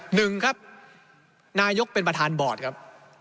หนึ่งครับนายกเป็นประธานบอร์ดครับ